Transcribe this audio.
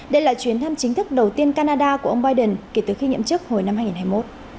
đây là chuyến thăm chính thức đầu tiên canada của ông biden kể từ khi nhậm chức hồi năm hai nghìn hai mươi một